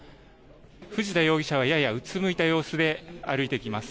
藤田容疑者はややうつむいた様子で歩いて来ます。